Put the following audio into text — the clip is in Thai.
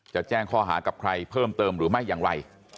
จะแจ้งข้อหากับใครเพิ่มเติมหรือไม่อย่างไร